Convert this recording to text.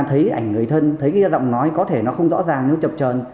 thấy ảnh người thân thấy cái giọng nói có thể nó không rõ ràng nó chập trờn